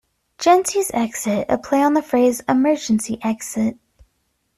Gency's Exit', a play on the phrase "Emergency Exit".